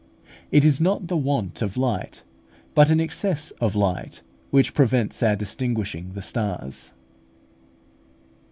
It is not the want of light, but an excess of light, which prevents our distinguishing the stars.